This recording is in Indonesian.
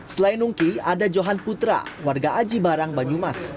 selain nungki ada johan putra warga aji barang banyumas